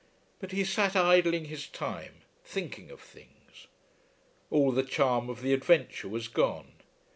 But he sat idling his time, thinking of things. All the charm of the adventure was gone.